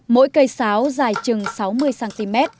mỗi cây sáo dài chừng sáu mươi cm